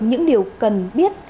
những điều cần biết